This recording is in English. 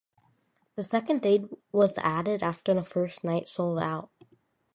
The second date was added after the first night sold out.